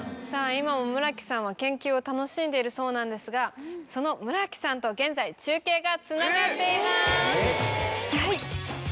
今も村木さんは研究を楽しんでいるそうなんですが現在。がつながっています。